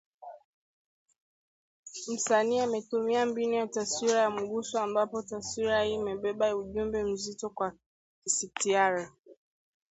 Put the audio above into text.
Msanii ametumia mbinu ya taswira ya mguso ambapo taswira hii imebeba ujumbe mzito wa kisitiari